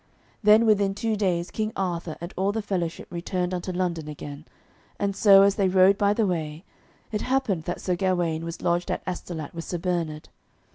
Then within two days King Arthur and all the fellowship returned unto London again, and so, as they rode by the way, it happened that Sir Gawaine was lodged at Astolat with Sir Bernard.